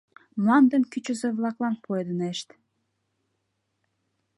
Мландым кӱчызӧ-влаклан пуэдынешт.